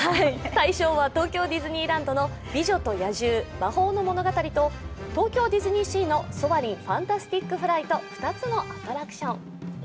対象は東京ディズニーリゾート美女と野獣魔法の物語と東京ディズニーシーのソアリン：ファンタスティック・フライトと２つのアトラクション。